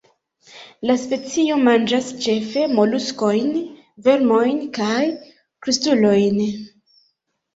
La specio manĝas ĉefe moluskojn, vermojn kaj krustulojn.